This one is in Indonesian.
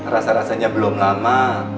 rasa rasanya belum lama